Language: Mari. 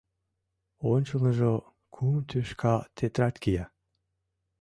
Ончылныжо кум тӱшка тетрадь кия.